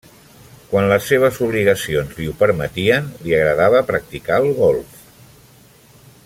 Quan les seves obligacions li ho permetien, li agradava practicar el golf.